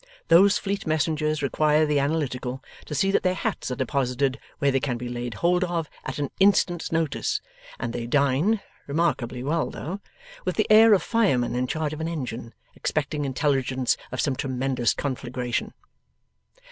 Those fleet messengers require the Analytical to see that their hats are deposited where they can be laid hold of at an instant's notice; and they dine (remarkably well though) with the air of firemen in charge of an engine, expecting intelligence of some tremendous conflagration.